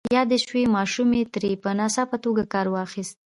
يادې شوې ماشومې ترې په ناڅاپي توګه کار واخيست.